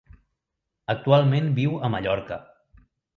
Actualment viu a Mallorca.